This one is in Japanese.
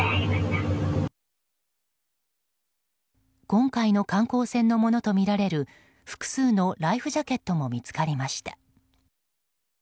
今回の観光船のものとみられる複数のライフジャケットも見つかりました。